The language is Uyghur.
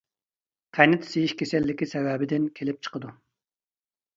قەنت سىيىش كېسەللىكى سەۋەبىدىن كېلىپ چىقىدۇ.